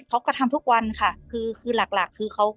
เขาก็ทำทุกวันค่ะคือคือหลักหลักคือเขา